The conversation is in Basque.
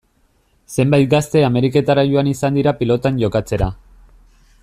Zenbait gazte Ameriketara joan izan dira pilotan jokatzera.